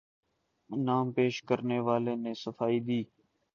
نام پیش کرنے والے نے صفائی دی